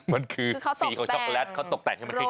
มันคือสีของช็อกโกแลตเขาตกแต่งให้มันขึ้น